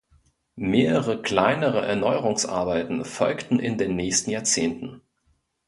Mehrere kleinere Erneuerungsarbeiten folgten in den nächsten Jahrzehnten.